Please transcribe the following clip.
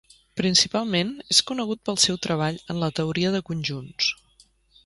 Principalment és conegut pel seu treball en la teoria de conjunts.